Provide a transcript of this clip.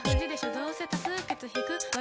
どうせ多数決−引く÷